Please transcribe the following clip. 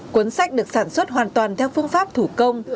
cuốn sách được sản xuất hoàn toàn theo phương pháp thủ công